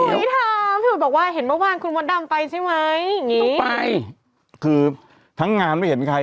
นี่พี่หุยถามพี่หุยบอกว่าเห็นเมื่อวานคุณมดดำไปใช่ไหมอย่างงี้